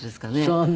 そうね。